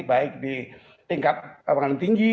baik di tingkat pengadilan tinggi